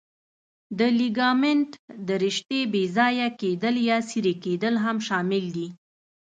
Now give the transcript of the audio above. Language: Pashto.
د لیګامنت د رشتې بې ځایه کېدل یا څیرې کېدل هم شامل دي.